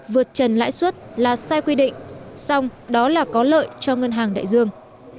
vượt trần lãi suất là sai quy định song đó là có lợi cho ngân hàng đại dương